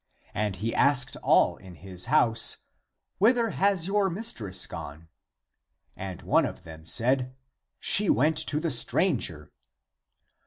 And he asked all in his house, " Whither has your mistress gone?" And one of them said, " She went to the stranger."